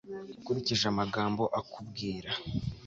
ukurikije amagambo akubwira